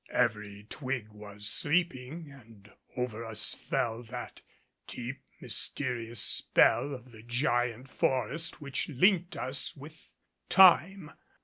Every twig was sleeping and over us fell that deep mysterious spell of the giant forest which linked us with time.